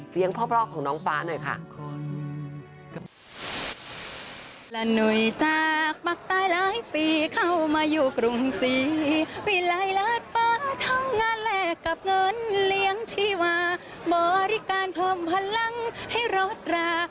เสียงพ่อปลอกของน้องฟ้าหน่อยค่ะ